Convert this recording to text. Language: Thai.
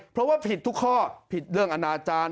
เพราะว่าผิดทุกข้อผิดเรื่องอนาจารย์